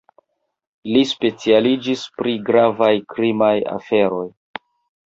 Li specialiĝis pri gravaj krimaj aferoj.